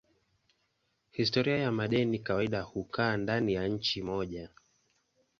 Historia ya madeni kawaida hukaa ndani ya nchi moja.